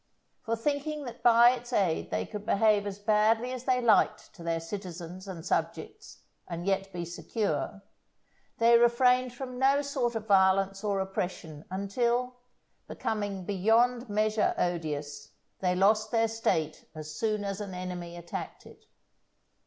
For thinking that by its aid they could behave as badly as they liked to their citizens and subjects, and yet be secure, they refrained from no sort of violence or oppression, until, becoming beyond measure odious, they lost their State as soon as an enemy attacked it.